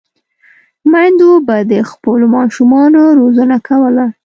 میندو به د خپلو ماشومانو روزنه کوله.